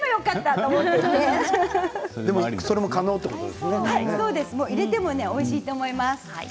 そうですね、入れてもおいしいと思います。